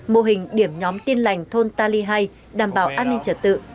mô hình điểm nhóm tin lành thôn ta ly hai đảm bảo an ninh trật tự